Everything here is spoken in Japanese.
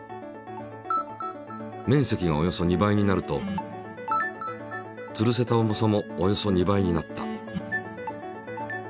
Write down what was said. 面積がおよそ２倍になると吊るせた重さもおよそ２倍になった。